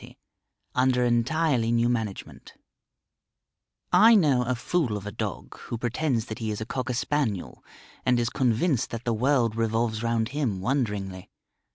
XXX. "UNDER ENTIRELY NEW MANAGEMENT" I know a fool of a dog who pretends that he is a Cocker Spaniel, and is convinced that the world revolves round him wonderingly.